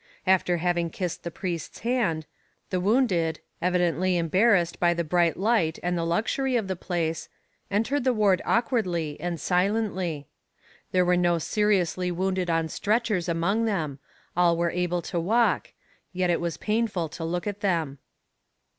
After having kissed the priest's hand, the wounded, evidently embarrassed by the bright light and the luxury of the place, entered the ward awkwardly and silently. There were no seriously wounded on stretchers among them, all were able to walk; yet it was painful to look at them.